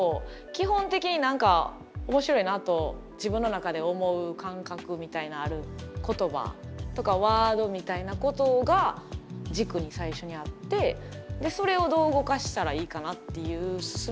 基本的に何か面白いなと自分の中で思う感覚みたいなある言葉とかワードみたいなことが軸に最初にあってそれをどう動かしたらいいかなっていう進め方が多いですね。